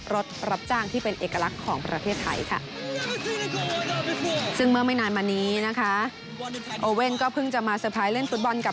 รถรับจ้างที่เป็นเอกลักษณ์ของประเทศไทยซึ่งเมื่อไม่นานมานี้โอเว่นก็เพิ่งจะมาเซอร์ไพรส์เล่นฟุตบอลกับ